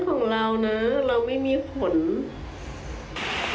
เขาก็บอกให้โทษคุยกับหมอ